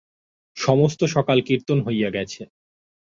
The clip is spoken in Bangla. সমস্ত সকাল কীর্তন হইয়া গেছে।